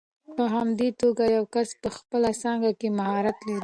په همدې توګه یو کس په خپله څانګه کې مهارت لري.